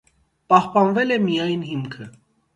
Պահպանվել է միայն հիմքը։